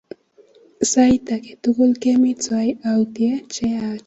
Sait ake tukul kemi twai autye che yaach.